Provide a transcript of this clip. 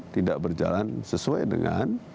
tidak berjalan sesuai dengan